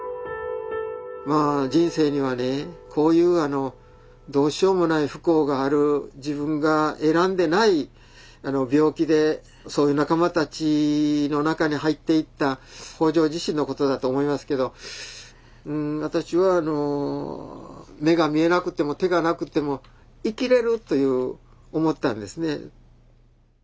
まあ人生にはねこういうどうしようもない不幸がある自分が選んでない病気でそういう仲間たちの中に入っていった北条自身のことだと思いますけど私は「目が見えなくても手がなくても生きれる」という思ったんですね。